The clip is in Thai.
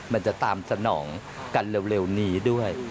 มันจะตามสนองกันเร็วนี้ด้วย